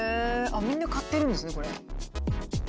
みんな買ってるんですねこれ。